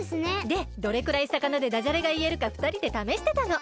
でどれくらいさかなでダジャレがいえるかふたりでためしてたの。